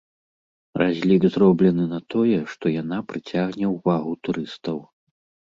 Разлік зроблены на тое, што яна прыцягне ўвагу турыстаў.